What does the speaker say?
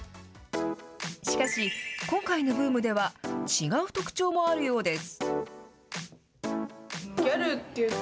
しかし、今回のブームでは、違う特徴もあるようです。